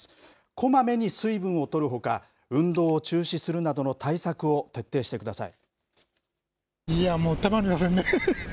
こまめに水分を取るほか、運動を中止するなどの対策を徹底してください。